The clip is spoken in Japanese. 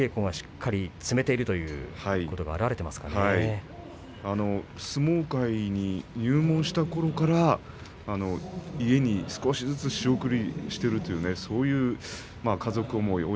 それでもやっぱり稽古がしっかり積めているということが相撲界に入門したころから家に少しずつ仕送りしているという、家族思い